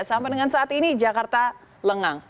sampai dengan saat ini jakarta lengang